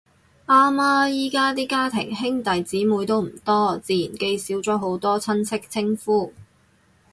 啱呀，而家啲家庭兄弟姊妹都唔多，自然記少咗好多親戚稱呼